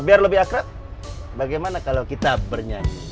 biar lebih akrab bagaimana kalau kita bernyanyi